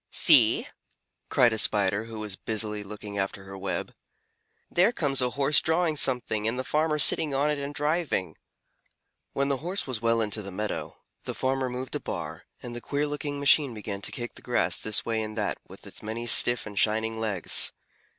"See!" cried a Spider who was busily looking after her web, "there comes a Horse drawing something, and the farmer sitting on it and driving." When the Horse was well into the meadow, the farmer moved a bar, and the queer looking machine began to kick the grass this way and that with its many stiff and shining legs.